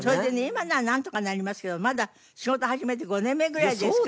今ならなんとかなりますけどまだ仕事始めて５年目ぐらいですから。